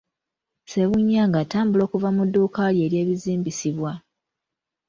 Ssebunya nga atambula okuva mu dduuka lye ery'ebizimbisibwa.